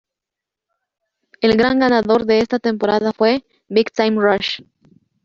El gran ganador de esta temporada fue "Big Time Rush".